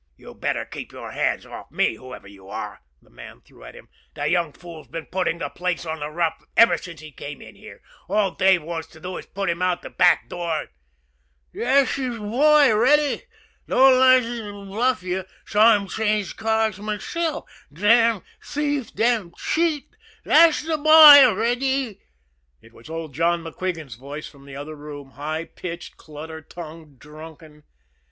"You'd better keep your hands off, whoever you are," the man threw at him. "The young fool's been putting the place on the rough ever since he came in here. All Dave wants to do is put him out of the back door, and " "Thash the boy, Reddy! Don't lesh him bluff you saw him change cards m'self. Damn thief damn cheat thash the boy, Reddy!" It was old John MacQuigan's voice, from the other room, high pitched, clutter tongued, drunken.